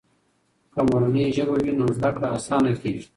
که مورنۍ ژبه وي نو زده کړه آسانه کیږي.